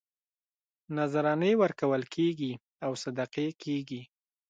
نذرانې ورکول کېږي او صدقې کېږي.